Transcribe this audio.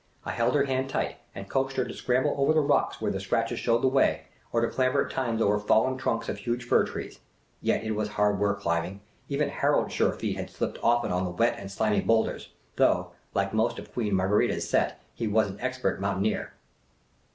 I held her hand tight, and coaxed her to scramble over the rocks where the scratches showed the way, or to clamber at times over fallen trunks of huge fir trees. Yet it was hard work climbing ; even Harold's sure feet had slipped often On the wet and slimy boulders, though, like most of Queen Margherita's set, he was an expert mountaineer.